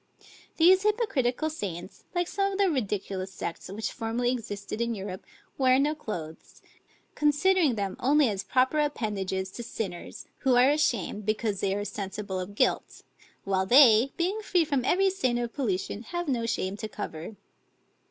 These hypocritical saints, like some of the ridiculous sects which formerly existed in Europe, wear no clothes; considering them only as proper appendages to sinners, who are ashamed, because they are sensible of guilt; while they, being free from every stain of pollution, have no shame to cover.